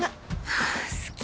はぁ好き